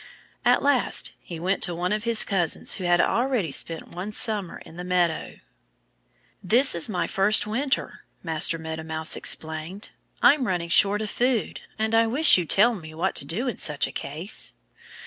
At last he went to one of his cousins who had already spent one winter in the meadow. "This is my first winter," Master Meadow Mouse explained. "I'm running short of food. And I wish you'd tell me what to do in such a case."